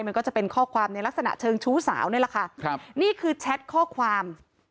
มันก็จะเป็นข้อความในลักษณะเชิงชู้สาวนี่แหละค่ะครับนี่คือแชทข้อความ